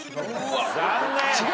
残念。